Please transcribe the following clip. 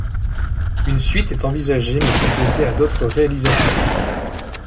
Une suite est envisagée mais proposée à d'autres réalisateurs.